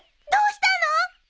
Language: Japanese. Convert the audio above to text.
どうしたの！？